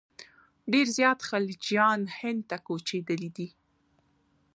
ډېر زیات خلجیان هند ته کوچېدلي دي.